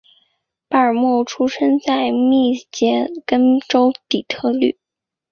巴尔默出生在密歇根州底特律。